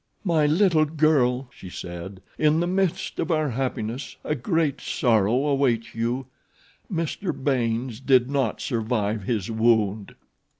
"My little girl," she said, "in the midst of our happiness a great sorrow awaits you—Mr. Baynes did not survive his wound."